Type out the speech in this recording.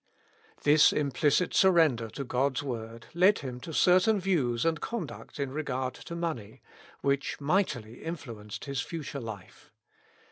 This implicit surrender to God's word led him to certain views and conduct in regard to money, which mightily influ enced his future life.